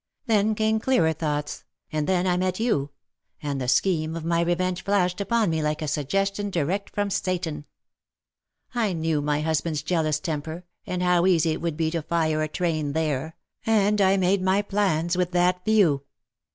Then came clearer thoughts, and then I met you; and the scheme of my revenge flashed upon me like a suggestion direct from Satan. I knew my husband^s jealous temper, and how easy it would be to fire a train there, and I made my plans with that view.